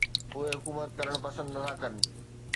اهي حڪومت ڪرڻ پسند نٿا ڪن.